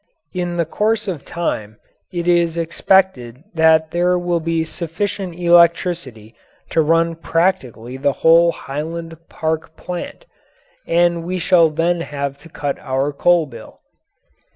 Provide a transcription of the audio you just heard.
In the course of time it is expected that there will be sufficient electricity to run practically the whole Highland Park plant, and we shall then have cut out our coal bill.